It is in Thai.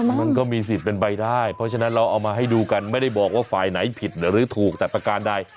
มันก็มีสิทธิ์เป็นไปได้เพราะฉะนั้นเราเอามาให้ดูกันไม่ได้บอกว่าฝ่ายไหนผิดหรือถูกแต่ประการใด